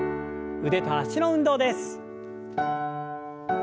腕と脚の運動です。